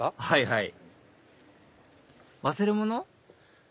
はいはい忘れ物？